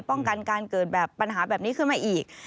ป้องกันการเกิดแบบปัญหาแบบนี้ขึ้นมาอีก